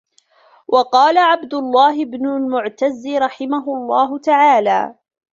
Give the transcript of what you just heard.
وَقَالَ عَبْدُ اللَّهِ بْنُ الْمُعْتَزِّ رَحِمَهُ اللَّهُ تَعَالَى